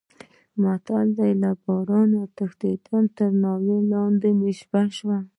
متل دی: له بارانه پټېدم تر ناوې لاندې مې شپه شوه.